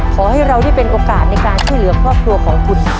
ขอให้เราได้เป็นโอกาสในการช่วยเหลือครอบครัวของคุณ